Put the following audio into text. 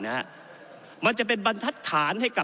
ก็ได้มีการอภิปรายในภาคของท่านประธานที่กรกครับ